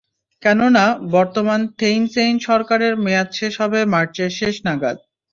কেননা, বর্তমান Thein Sein সরকারের মেয়াদ শেষ হবে মার্চের শেষ নাগাদ।